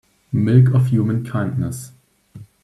Milk of human kindness